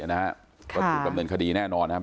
ก็ถูกดำเนินคดีแน่นอนนะครับ